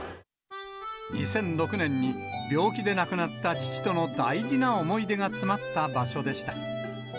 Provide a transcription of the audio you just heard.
２００６年に病気で亡くなった父との大事な思い出が詰まった場所でした。